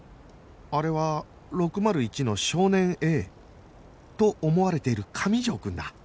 あれは６０１の少年 Ａ と思われている上条くんだ